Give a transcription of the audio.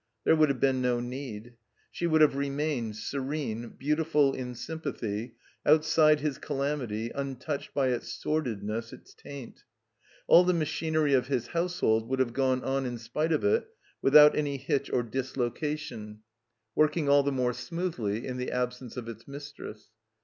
There would have been no need. She would have remained, serene, beautiful in sympathy, outside his calamity, untouched by its sordidness, its taint. All the machinery of his household would have gone on in spite of it, without any hitch or dislocation, 28q THE COMBINED MAZE working all the more smoothly in the absence of its mistress.